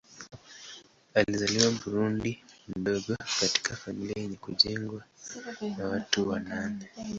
Alizaliwa Burundi mdogo katika familia yenye kujengwa na watu wa nane.